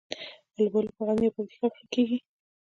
الوبالو په غزني او پکتیکا کې کیږي